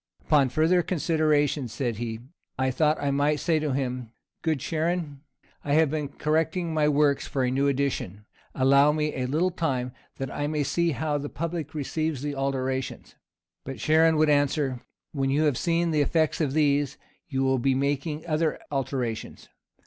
"Upon further consideration," said he, "I thought I might say to him, 'Good Charon, I have been correcting my works for a new edition. Allow me a little time, that I may see how the public receives the alterations.' But Charon would answer, 'When you have seen the effect of these, you will be for making other alterations.